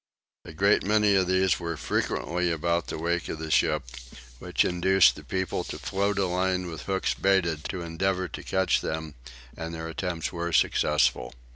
A great many of these were frequently about the wake of the ship, which induced the people to float a line with hooks baited to endeavour to catch them and their attempts were successful.